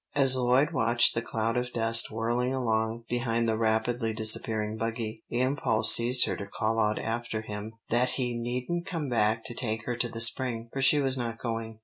As Lloyd watched the cloud of dust whirling along behind the rapidly disappearing buggy, the impulse seized her to call out after him that he needn't come back to take her to the spring, for she was not going.